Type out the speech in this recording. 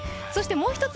もう一つ